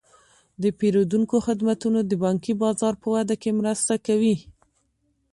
د پیرودونکو خدمتونه د بانکي بازار په وده کې مرسته کوي.